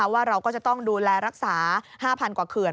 ว่าเราก็จะต้องดูแลรักษา๕๐๐กว่าเขื่อน